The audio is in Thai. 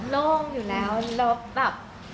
โล่งอยู่แล้วแล้วแบบ